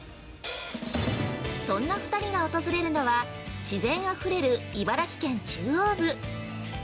そんな２人が訪れるのは自然あふれる茨城県中央部。